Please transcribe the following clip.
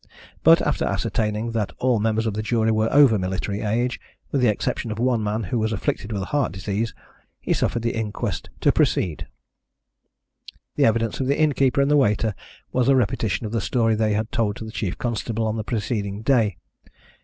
But after ascertaining that all the members of the jury were over military age, with the exception of one man who was afflicted with heart disease, he suffered the inquest to proceed. The evidence of the innkeeper and the waiter was a repetition of the story they had told to the chief constable on the preceding day.